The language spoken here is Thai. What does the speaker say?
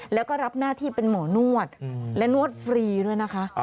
แล้วก็รับหน้าที่เป็นหมอนวดและนวดฟรีด้วยนะคะ